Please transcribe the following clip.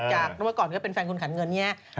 จากเมื่อก่อนก็เป็นแฟนคุณขันเงินนี้